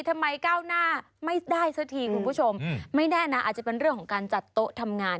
ก้าวหน้าไม่ได้สักทีคุณผู้ชมไม่แน่นะอาจจะเป็นเรื่องของการจัดโต๊ะทำงาน